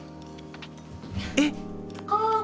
えっ？